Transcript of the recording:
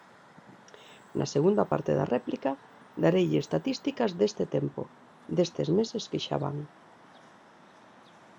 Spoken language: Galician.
Na segunda parte da réplica dareille estatísticas deste tempo, destes meses que xa van.